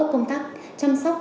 công tác chăm sóc